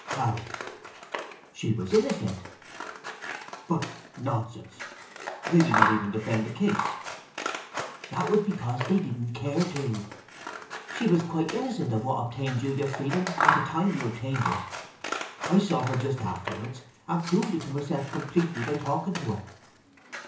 "How?" "She was innocent." "But nonsense! They did not even defend the case!" "That was because they didn't care to. She was quite innocent of what obtained you your freedom, at the time you obtained it. I saw her just afterwards, and proved it to myself completely by talking to her."